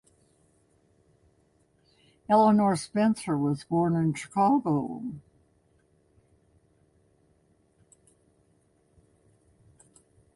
Eleanor Spencer was born in Chicago.